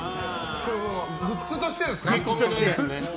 グッズとしてですか。